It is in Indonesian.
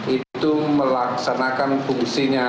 itu melaksanakan fungsinya